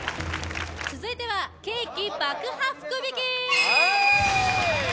続いてはケーキ爆破福引き